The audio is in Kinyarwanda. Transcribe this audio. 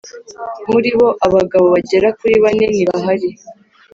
muri bo abagabo bagera kuri bane nibahari